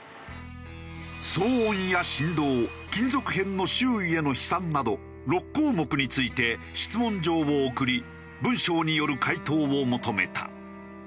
騒音や振動金属片の周囲への飛散など６項目について質問状を送り文章による回答を求めた。